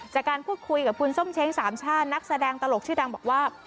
จากการพูดคุยกับคุณส้มเช้งสามชาตินักแสดงตลกชื่อดังบอกว่า